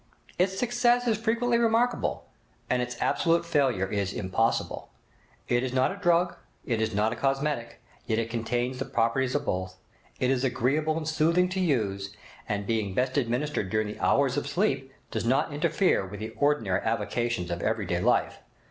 Its success is frequently remarkable, and its absolute failure is impossible. It is not a drug, it is not a cosmetic, yet it contains the properties of both. It is agreeable and soothing to use, and being best administered during the hours of sleep does not interfere with the ordinary avocations of every day life.